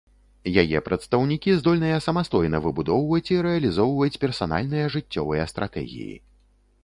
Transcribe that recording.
Яе прадстаўнікі здольныя самастойна выбудоўваць і рэалізоўваць персанальныя жыццёвыя стратэгіі.